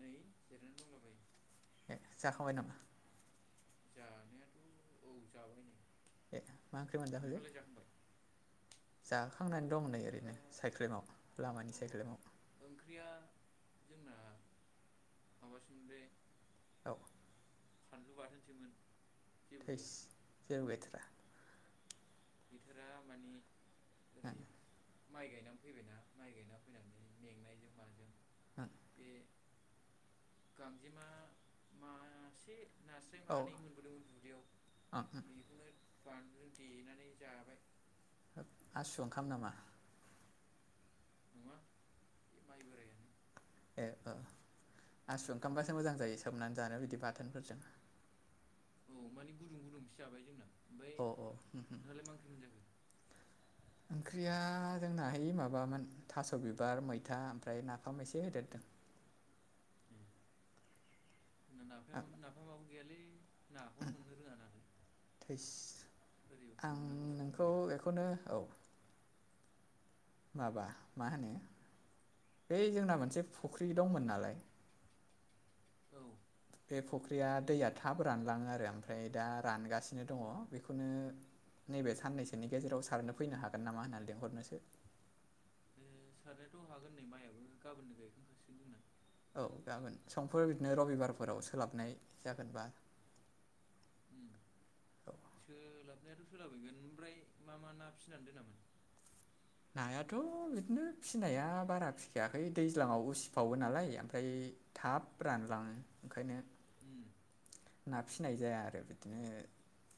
नै जिरनानै दंलाबायो। ए जाखांबाय नामा? जानायाथ' औ जाबाय नै। ए मा ओंख्रि मोनजाखोलै? नोंहालाय जाखांबाय जाखांनानै दं नै ओ ओरैनो सायख्लेमाव लामानि अ सायख्लेमाव, ओंख्रिया जोंना माबासोमोनलै। औ फानलु बाथोनसोमोन। जेबो थाइस गैया जेबो गैथारा। गैथारा माने ओरै, ओं माइ गायनानै फैबायना माइ गायनानै फैनानै मेंनायजों माजों ओं बे, गांजेमा मासे, नास्राय औ मानै मोनबोदोंमोन दुब्लियाव ओं ओं बेखौनो बानलुजों देनानै जाबाय। आसु ओंखाम नामा? नङा बे माइ बोरायानो। ए ओ आसु ओंखामबासो मोजां जायो सोमनानै जानो बिदि बाथोनफोरजों। औ माने गुदुं गुदुंसो जाबाय जोंना। ओमफ्राय अ अ नोंहालाय मा ओंख्रै मोनजाखो? ओंख्रिया जोंनाहाय माबामोन थास' बिबार मैथा ओमफ्राय नाफाम एसे होदेरदों। ए ओ नाफाम नाफामाबो गैयालै नाखौनो मोननो रोङा नालाय। थैस ओरै आं हमनोबो सम नोंखौ गैया इखौनो। माबा मा होनो बै जोंना मोनसे फुख्रि दंमोन नालाय। औ बे फुख्रिया दैया थाब रानलाङो आरो ओमफ्राय दा रानगासिनो दङ बेखौनो, नैबे साननैसोनि गेजेराव सारनो फैनो हागोन नामा होननानै लिंहरनोसो। ए सारनायाथ' हागोन नै माइयाबो गामोननो गायखांखासिगोन जोंना। औ गाबोन समफोर बिदिनो रबिबारफोराव सोलाबनाय जागोनबा उम औ सोलाबनायाथ' सोलाबाहैगोन ओमफ्राय मा मा ना फिनानै दोनामोन? नायाथ' बिदिनो फिनाया बारा फिखायाखै दैज्लाङावबो उसिफावो नालाय ओमफ्राय थाब रानलाङो ओंखायनो उम ना फिसिनाय जाया आरो बिदिनो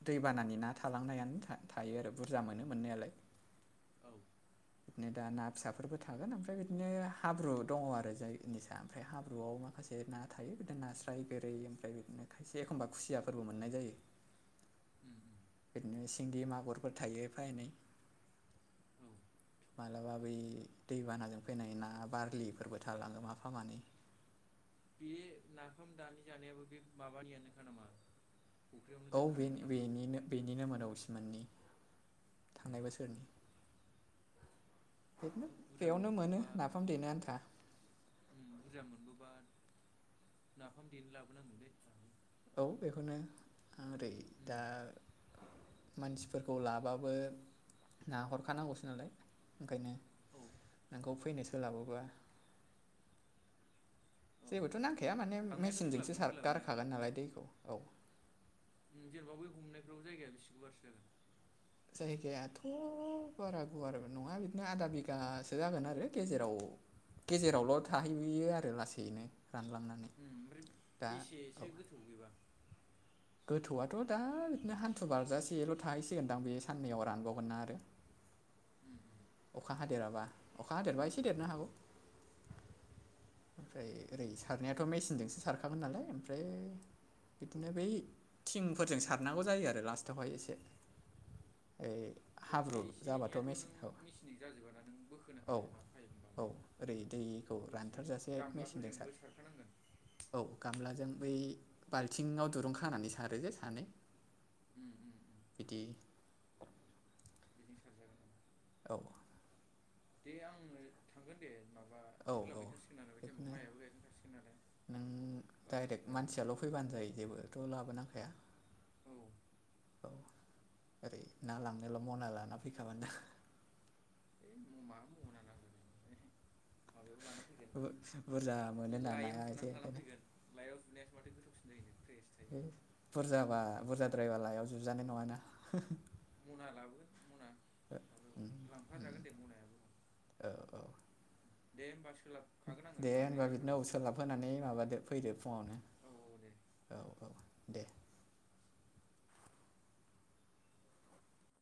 दैबानानि ना थालांनायानो था-थायो आरो बुरजा मोनो मोननायालाय। औ [inaudible] बिनो दा ना फिसाफोरबो थागोन ओमफ्राय बिदिनो हाब्रु दङ आरो जायनिसा ओमफ्राय हाब्रुआव माखासे ना थायो बिदिनो नास्राय गोरै ओमफ्राय बिदिनो खायसे एखमबा खुसियाफोरबो मोननाय जायो। उम उम बिदिनो सिंगि मागुरफोर थायो एफा एनै। औ मालाबा बै दैबानाजों फैनाय ना बारलिफोरबो थालाङो माफा मानै। बे नाफाम दानि जानायाबो बे माबानियानोखा नामा? फुख्रियावनो औ बे दोनखानायमोन नामा बेनिनो बेनिनो मदाव सिमोननि ए थांनाय बोसोरनि। बिदिनो हाब बुरजा बेयावनो मोनो नाफाम देनो आन्था। ओम बुरजा मोनबोबा नाफाम देनो लाबोनांगोन लै आंहाबो। औ बेखौनो ओरै उम दा मानसिफोरखौ लाबाबो नाहरखानांगौसो नालाय ओंखायनो औ खौ फैनो सोलाबोबा औ जेबोथ‌' नांखाया माने थांनायाथ' मेसिनजोंसो सोलाबगोन सार सोलाबनाया गारखागोन नालाय दैखौ। औ ओम जेनेबा बै गुमनायफ्राव जायगाया बेसे गुवारसो जागोन? जायगायाथ' बारा गुवारबो नङा बिदिनो आधा बिगासो जागोन आरो गेजेराव गेजेरावलाय थाहैयो आरो लासैनो रानलांना। ओम ओमफ्राय बेसेसो गोथौ बेबा? गोथौआथ' दा बिदिनो हान्थु बारजासेल' थाहैसिगोनदां बे साननैआव रानबावगोनना आरो। उम हुम। अखा हादेराबा अखा हादेरबा एसे देरनो औ हागौ। ओमफ्राय ओरै सारनायाथ' मेचिनजोंसो सारखामोन नालाय ओमफ्राय औ बिदिनो बै थिंफोरजों सारनांगौ जायो आरो लास्टावहाय एसे ओ औ बे एसे एनैआथ' नों मिसिनजों जाजोबाना नों बोखोनो औ हानाय नङा फाइबनि औ माबाया। ओरै दैखौ बेखौ एसे रानथारजासे मेचिनजों सार गामलाफोरजोंबो सारखानांगोन। औ गामलाजों बै बाल्थिंआव दुरुं खानानै सारो जे सानै। उम उम उम बिदि बिजों सारजागोन ओं। औ दे आंनो थांगोन दे माबा औ औ सोलाब हैखासिगोन आङो बे टाइमाव बेखौनो माइआबो गायखांखासिगोन नालाय। नों बारा डाइरेक्ट बुरजा गैखाला मानसियाल' फैबानो जायो जेबोथ' लाबोनांखाया। औ औ ओरै ना माबा लांनोल' मना लाना फैखाबानो है मा मना नांगोलै। माबायाव लानानै फैगोन बुरजा मोनोना लाइयाव नाया एसे जुनानै लानानै ओंखायनो फैगोन। लाइआव जुनायासो माथो गोथावसिन जायोनो फ्रेस थायो। बुरजाबा बुरजाद्रायबा लाइयाव जुजानाय नङादां। मना लाबोगोन मना उम उम लांफाजागोन दे मनायाबो। औ औ। दे होमबा सोलाब खागोन आङो दे थांनाय होनबा जागोन बिदिनो औ आङो सोलाबहोनानै माबादो फैदो फुङावनो औ औ दे। औ औ दे